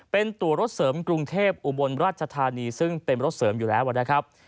เป็นตัวรถเสริมกรุงเทพอุบลราชธานีซึ่งเป็นรถเสริมอยู่แล้วนะครับ